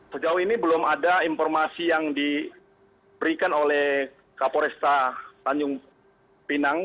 sejauh ini belum ada informasi yang diberikan oleh kapolresta tanjung pinang